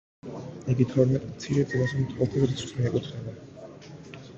იგი თორმეტ მცირე წინასწარმეტყველთა რიცხვს მიეკუთვნება.